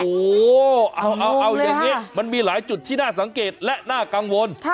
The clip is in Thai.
โอ้โหเอาอย่างนี้มันมีหลายจุดที่น่าสังเกตและน่ากังวล